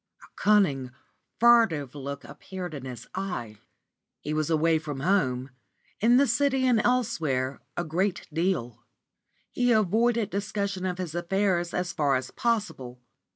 A cunning furtive look appeared in his eye; he was away from home in the City and elsewhere a great deal; he avoided discussion of his affairs as far as possible.